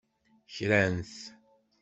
Kran-t.